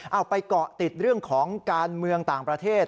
เอาไปเกาะติดเรื่องของการเมืองต่างประเทศ